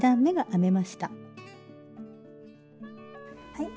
はい。